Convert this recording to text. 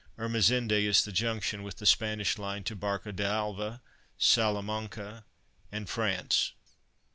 ERMEZINDE is the junction with the Spanish line to Barca d'Alva, Salamanca and France.